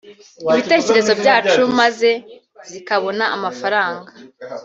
ibitekerezo byacu maze zikabona amafaranga